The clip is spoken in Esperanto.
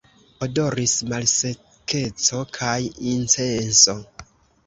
Odoris malsekeco kaj incenso.